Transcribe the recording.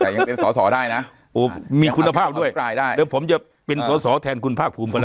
แต่ยังเป็นสอได้นะมีคุณภาพด้วยผมจะเป็นสอแทนคุณภาคภูมิก่อน